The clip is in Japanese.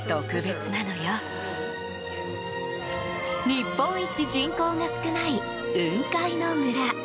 日本一人口が少ない雲海の村。